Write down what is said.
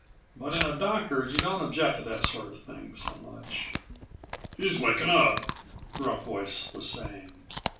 But in a doctor you don't object to that sort of thing so much. "He's waking up," Gruff Voice was saying.